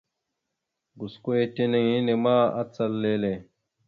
Gosko ya tinaŋ henne ma acal lele.